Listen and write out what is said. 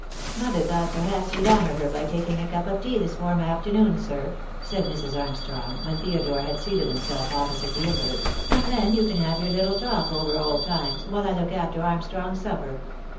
"Mother thought perhaps you'd honour her by taking a cup of tea this warm afternoon, sir," said Mrs. Arm strong, when Theodore had seated himself opposite the invalid, "and then you can have your little talk over old THE DAY WILL COME. 63 times while I look after Armstrong's supper.